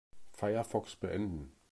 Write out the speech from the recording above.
Firefox beenden.